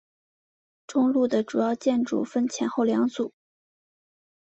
中路的主要建筑分前后两组。